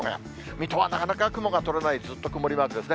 水戸はなかなか雲が取れない、ずっと曇りマークですね。